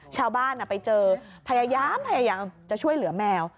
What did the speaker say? ชาวบ้านไปเจอพยายามพยายามจะช่วยเหลือแมว